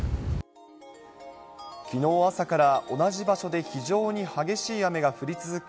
きのう朝から同じ場所で非常に激しい雨が降り続く